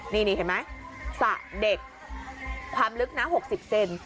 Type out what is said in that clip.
นี่เห็นไหมสระเด็กความลึกนะ๖๐เซน